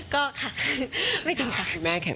ก็ค่ะไม่จริงค่ะ